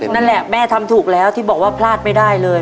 นั่นแหละแม่ทำถูกแล้วที่บอกว่าพลาดไม่ได้เลย